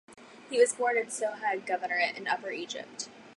He was born in Sohag Governorate in Upper Egypt.